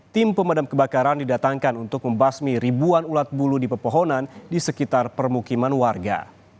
tim pemadam kebakaran didatangkan untuk membasmi ribuan ulat bulu di pepohonan di sekitar permukiman warga